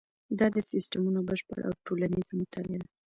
دا د سیسټمونو بشپړه او ټولیزه مطالعه ده.